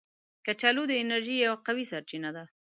کچالو د انرژي یو قوي سرچینه ده